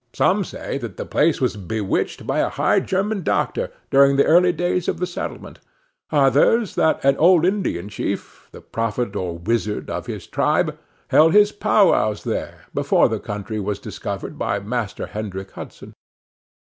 Some say that the place was bewitched by a High German doctor, during the early days of the settlement; others, that an old Indian chief, the prophet or wizard of his tribe, held his powwows there before the country was discovered by Master Hendrick Hudson.